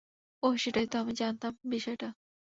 ওহ, সেটাই তো, জানতাম বিষয়টা!